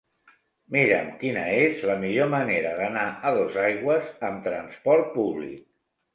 Mira'm quina és la millor manera d'anar a Dosaigües amb transport públic.